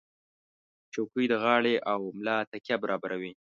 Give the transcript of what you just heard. چوکۍ د غاړې او ملا تکیه برابروي.